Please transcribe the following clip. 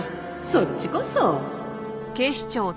「そっちこそ」